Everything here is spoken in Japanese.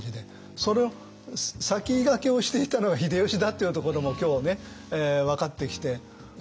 それを先駆けをしていたのが秀吉だというところも今日分かってきて。